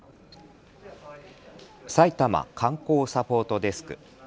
埼玉観光サポートデスク。